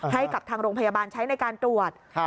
ให้กับทางโรงพยาบาลใช้ในการตรวจ